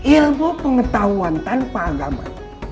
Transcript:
ilmu pengetahuan tanpa agama